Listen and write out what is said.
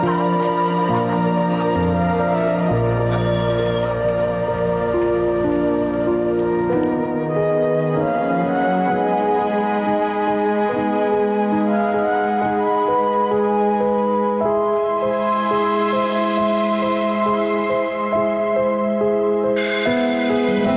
anda itu fight kalau sudah diyor tuhan